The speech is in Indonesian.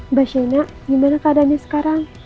mbak shaina gimana keadanya sekarang